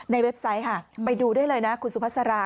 ในเว็บไซต์ไปดูด้วยเลยนะคุณสุภาษาลา